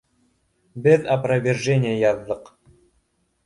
Беҙ опровержение яҙҙыҡ